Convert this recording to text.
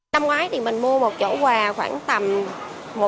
năm ngoái thì mình mua một giỏ quà khoảng tầm